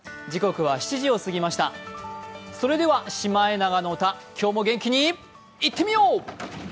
それでは「シマエナガの歌」今日も元気にいってみよう！